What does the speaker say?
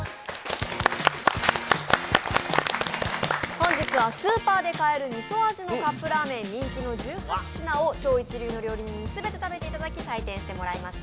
本日はスーパーで買えるみそ味のカップラーメン、人気の１８品を超人気の料理人に全て食べていただき採点してもらいました。